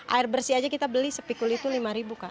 air bersih aja kita beli sepikul itu lima ribu kak